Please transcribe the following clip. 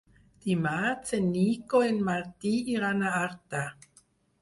Dimarts en Nico i en Martí iran a Artà.